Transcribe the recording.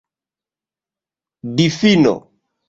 difino